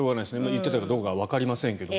言ってたかどうかはわかりませんが。